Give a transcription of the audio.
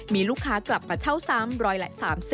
มีลูกค้ากลับมาเช่าซ้ำร้อยละ๓๐